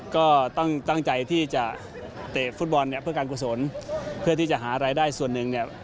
ก็ตั้งใจที่จะเตะฟุตบอลเนี่ยเพื่อการกุศลเพื่อที่จะหารายได้ส่วนหนึ่งเนี่ย